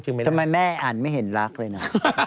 ทำไมแม่อ่านไม่เห็นรักเลยนะ